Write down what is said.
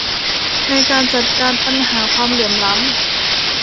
ในการจัดการปัญหาความเหลื่อมล้ำ